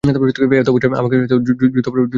এত বছর ধরে আমাকে জুতোপেটা করে আসছেন।